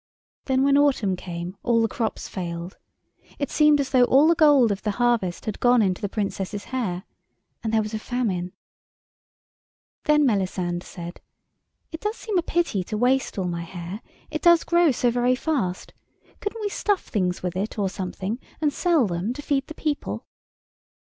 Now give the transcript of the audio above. Then when autumn came all the crops failed; it seemed as though all the gold of harvest had gone into the Princess's hair. And there was a famine. Then Melisande said— "It seems a pity to waste all my hair; it does grow so very fast. Couldn't we stuff things with it, or something, and sell them, to feed the people?"